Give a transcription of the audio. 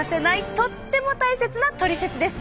とっても大切なトリセツです。